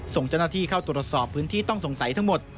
ส่งเจ้าหน้าที่เข้าตรวจสอบพื้นที่ต้องสงสัยทั้งหมด